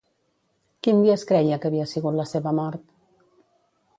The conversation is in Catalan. Quin dia es creia que havia sigut la seva mort?